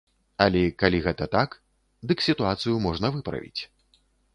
Але калі гэта так, дык сітуацыю можна выправіць.